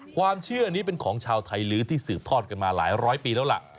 ความเชื่อนี้เป็นของชาวไทยลื้อที่สืบทอดกันมาหลายร้อยปีแล้วล่ะ